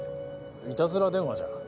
いたずら電話じゃ？